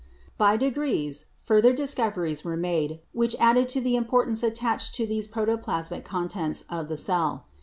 By degrees further discoveries were made, which added to the importance attached to these protoplasmic contents of the cell.